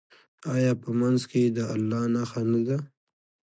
آیا په منځ کې یې د الله نښه نه ده؟